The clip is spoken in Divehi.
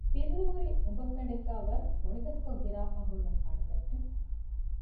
ބިއްލޫރި އުނބުގަނޑެއްގައި ވަރަށް ފޮނިގަދަކޮށް ގިރާފައި ހުންނަ ފަނިތަށްޓެއް